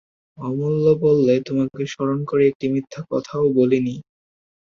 অমূল্য বললে, তোমাকে স্মরণ করেই একটি মিথ্যা কথাও বলি নি।